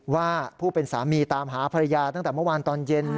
ว่าผู้เป็นสามีตามหาภรรยาตั้งแต่เมื่อวานตอนเย็น